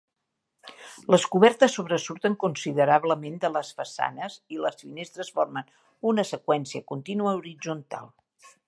Les cobertes sobresurten considerablement de les façanes i les finestres formen una seqüència contínua horitzontal.